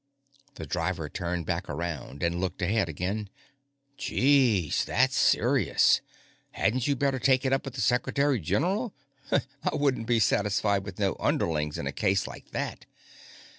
The driver turned back around and looked ahead again. "Jeez! That's serious. Hadn't you better take it up with the Secretary General? I wouldn't be satisfied with no underlings in a case like that."